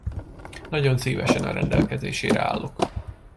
Nagyon szívesen a rendelkezésére állok.